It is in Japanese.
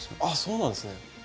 あっそうなんですね。